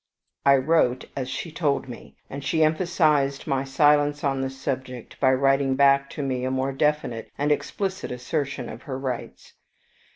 I wrote as she told me, and she emphasized my silence on the subject by writing back to me a more definite and explicit assertion of her rights.